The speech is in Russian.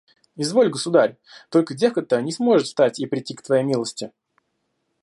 – «Изволь, государь; только девка-то не сможет встать и придти к твоей милости».